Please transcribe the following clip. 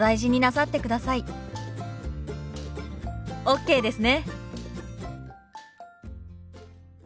ＯＫですね！